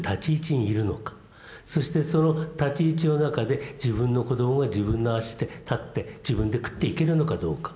そしてその立ち位置の中で自分の子どもが自分の足で立って自分で食っていけるのかどうか。